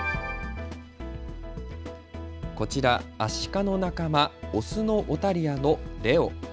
こちらアシカの仲間、オスのオタリアのレオ。